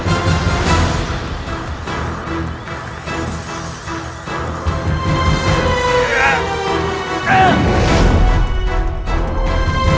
kami penunggu kitab naga paksa